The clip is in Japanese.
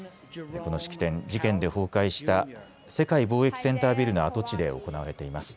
この式典、事件で崩壊した世界貿易センタービルの跡地で行われています。